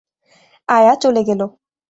আয়া চলে গেল।